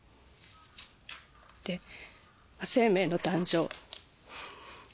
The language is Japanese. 生命の誕生。